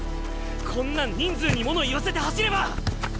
こんなん人数に物言わせて走れば。